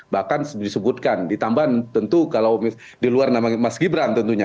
bahkan disebutkan ditambah tentu kalau di luar namanya mas gibran tentunya